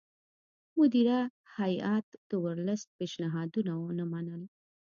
مدیره هیات د ورلسټ پېشنهادونه ونه منل.